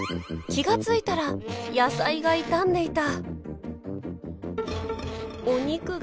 気が付いたら野菜が傷んでいた。